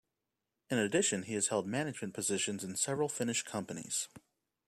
In addition, he has held management positions in several Finnish companies.